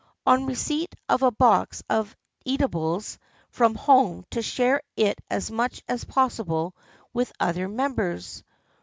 On receipt of a box of eatables from home to share it as much as possible with other members.